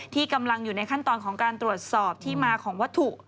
ที่กำลังอยู่ในขั้นตอนของการตรวจสอบที่มาของวัตถุ